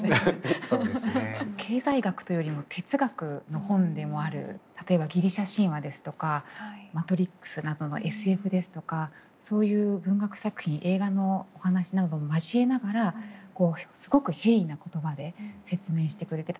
経済学というよりも哲学の本でもある例えばギリシャ神話ですとか「マトリックス」などのＳＦですとかそういう文学作品映画のお話なども交えながらすごく平易な言葉で説明してくれて。